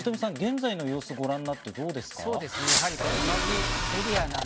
現在の様子をご覧になってどうですか？